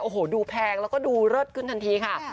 โอ้โหดูแพงแล้วก็ดูเลิศขึ้นทันทีค่ะ